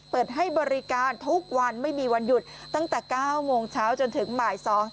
เปิดให้บริการทุกวันไม่มีวันหยุดตั้งแต่๙โมงเช้าจนถึงบ่าย๒